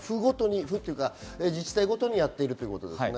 自治体ごとにやっているということですね。